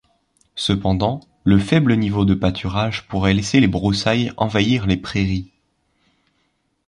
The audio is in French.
Cependant, le faible niveau de pâturage pourrait laisser les broussailles envahir les prairies.